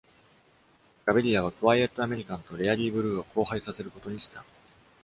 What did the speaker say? ガヴィリアはクワイエット・アメリカンとレアリー・ブルーを交配させることにした。